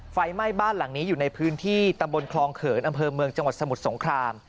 ไฟไหม้บ้านหลังนี้อยู่ในพื้นที่ตำบลคลองเขินอำเภอเมืองจังหวัดสมุทรสงคราม